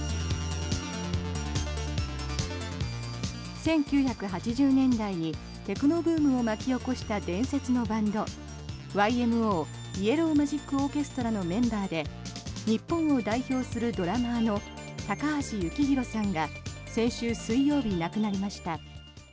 １９８０年代にテクノブームを巻き起こした伝説のバンドＹＭＯ＝イエロー・マジック・オーケストラのメンバーで日本を代表するドラマーの高橋幸宏さんが先週水曜日、亡くなりました。